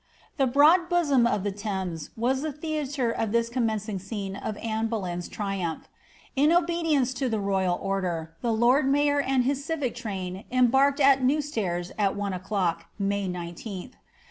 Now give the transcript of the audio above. The broad bosom of the Thames was^ the theatre of this commencing scene of Anne Boleyn's triumph. In obedience to the royal order, the lord mayor and his civic train embarked at New Staire at one o'clock, May 19th.